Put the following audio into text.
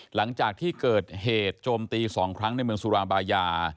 หลังจากที่เกิดเหตุโจมตี๒ครั้งในเมืองสุราบายา